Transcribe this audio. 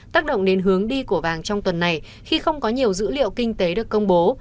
tác động đến hướng đi của vàng trong tuần này khi không có nhiều dữ liệu kinh tế được công bố